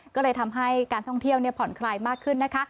ก็เลยทำให้การท่องเที่ยวผ่อนคลายมากขึ้นนะคะ